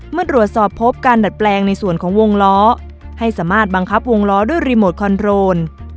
เมื่อตรวจสอบพบการดัดแปลงในส่วนของวงล้อให้สามารถบังคับวงล้อด้วยรีโมทคอนโรน